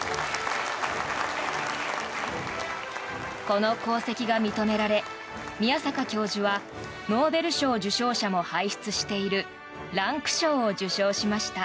この功績が認められ宮坂教授はノーベル賞受賞者も輩出しているランク賞を受賞しました。